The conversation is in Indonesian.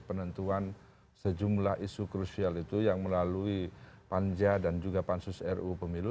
penentuan sejumlah isu krusial itu yang melalui panja dan juga pansus ru pemilu